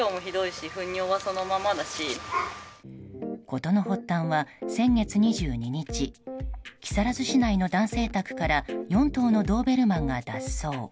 事の発端は先月２２日木更津市内の男性宅から４頭のドーベルマンが脱走。